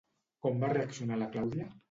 Com va reaccionar la Clàudia?